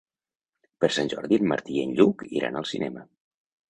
Per Sant Jordi en Martí i en Lluc iran al cinema.